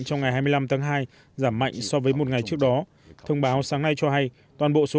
trong ngày hai mươi năm tháng hai giảm mạnh so với một ngày trước đó thông báo sáng nay cho hay toàn bộ số